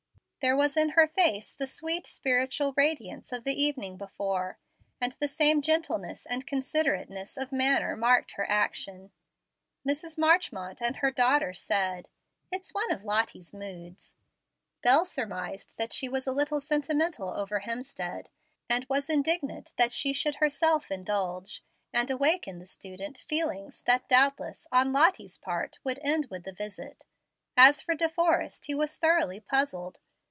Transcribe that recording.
There was in her face the sweet spiritual radiance of the evening before, and the same gentleness and considerateness of manner marked her action. Mrs. Marchmont and her daughter said, "It is one of Lottie's moods." Bel surmised that she was a little sentimental over Hemstead, and was indignant that she should herself indulge, and awake in the student, feelings that doubtless, on Lottie's part, would end with the visit. As for De Forrest, he was thoroughly puzzled.